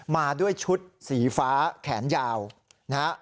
มาด้วยชุดสีฟ้าแขนยาวนะฮะ